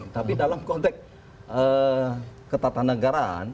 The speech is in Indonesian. tapi dalam konteks ketatanegaraan